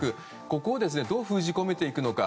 ここをどう封じ込めていくのか。